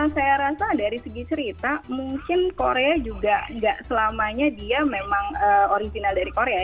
saya rasa dari segi cerita mungkin korea juga nggak selamanya dia memang original dari korea